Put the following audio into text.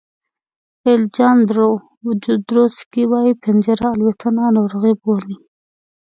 الیجاندرو جودروسکي وایي پنجره الوتنه ناروغي بولي.